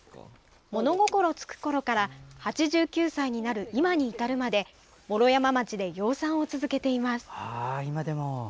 物心つくころから８９歳になる、今に至るまで毛呂山町で養蚕を続けています。